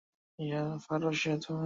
কিন্তু ফারাও সেটা শুনতে পাবে না।